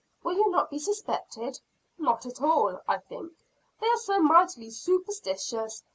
"Will you not be suspected?" "Not at all, I think they are so mightily sooperstitious.